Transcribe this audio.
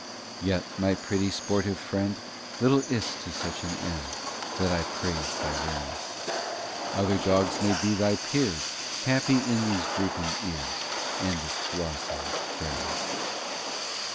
VI Yet, my pretty sportive friend, Little is't to such an end That I praise thy rareness: Other dogs may be thy peers Happy in these drooping ears And this glossy fairness.